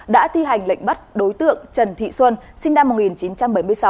đã thi hành lệnh bắt đối tượng trần thị xuân sinh năm một nghìn chín trăm bảy mươi sáu